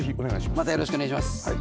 またよろしくおねがいします。